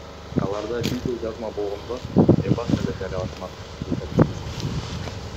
Аларда видео жазма болгондо, эбак эле жарыялашмак, — дейт активист.